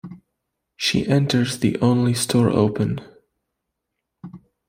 She enters the only store open.